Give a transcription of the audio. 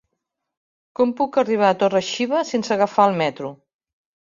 Com puc arribar a Torre-xiva sense agafar el metro?